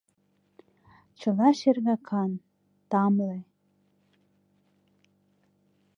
Чыла шергакан, тамле.